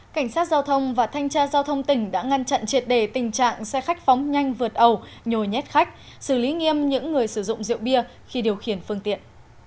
cảnh sát giao thông và thanh tra giao thông tỉnh đã ngăn chặn triệt đề tình trạng xe khách phóng nhanh vượt ẩu nhét khách xử lý nghiêm những người sử dụng rượu bia khi điều khiển phương tiện